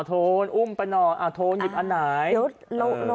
โทนอุ้มไปหน่อยโทนหยิบอันไหน